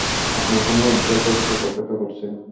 আপনার সামনে উজ্জ্বল ভবিষ্যত অপেক্ষা করছে।